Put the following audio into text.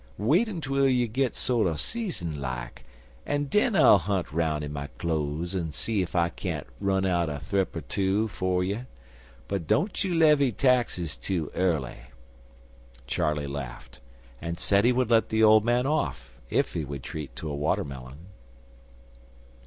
Wait ontwell you gits sorter seasoned like, an' den I'll hunt 'roun' in my cloze an' see ef I can't run out a thrip er two fer you. But don't you levy taxes too early." Charley laughed, and said he would let the old man off if he would treat to a watermelon.